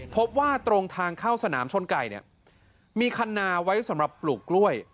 พบว่าตรงทางเข้าสนามชนไก่เนี่ยมีคันนาไว้สำหรับปลูกกล้วย